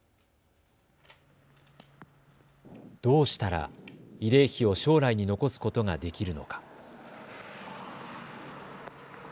どうしたら慰霊碑を将来に残すことができるのか。